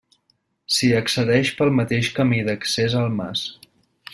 S'hi accedeix pel mateix camí d'accés al mas.